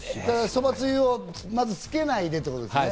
そばつゆをまず、つけないでということですね。